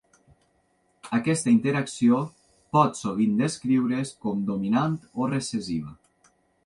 Aquesta interacció pot sovint descriure's com dominant o recessiva.